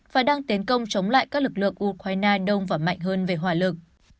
và đang tiến công chống lại các lực lượng ukraine đông và mạnh hơn về hòa lực